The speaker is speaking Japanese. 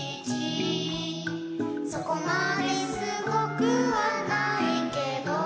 「そこまですごくはないけど」